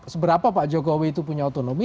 seberapa pak jokowi itu punya otonomi